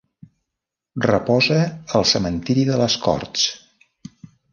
Reposa al Cementiri de les Corts.